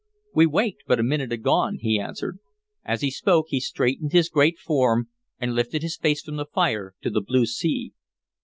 "We waked but a minute agone," he answered. As he spoke, he straightened his great form and lifted his face from the fire to the blue sea.